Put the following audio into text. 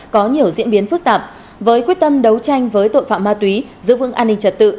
có nhiều diễn biến phức tạp với quyết tâm đấu tranh với tội phạm ma túy giữ vững an ninh trật tự